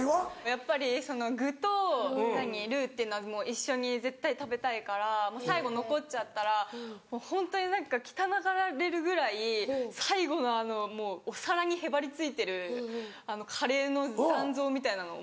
やっぱり具とルーっていうのは一緒に絶対食べたいからもう最後残っちゃったらもうホントに何か汚がられるぐらい最後のあのもうお皿にへばりついてるあのカレーの残像みたいなのを。